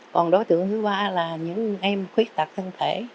còn đối tượng thứ ba là những em khuyết tật thân thể